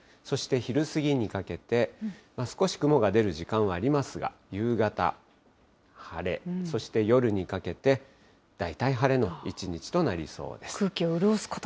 そして昼過ぎにかけて、少し雲が出る時間はありますが、夕方、晴れ、そして夜にかけて、大体晴れの一日となりそうです。